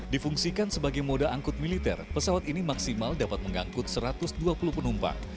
difungsikan sebagai moda angkut militer pesawat ini maksimal dapat mengangkut satu ratus dua puluh penumpang